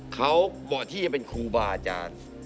เขาเหมาะที่จะเป็นครูบาอาจารย์